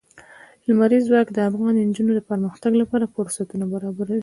لمریز ځواک د افغان نجونو د پرمختګ لپاره فرصتونه برابروي.